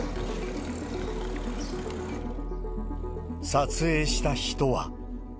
撮影した人は。